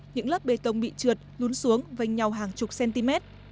những lớp bê tông bị trượt lún xuống vành nhau hàng chục cm